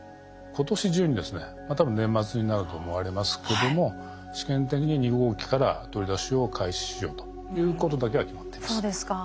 今年中にですね多分年末になると思われますけども試験的に２号機から取り出しを開始しようということだけは決まっています。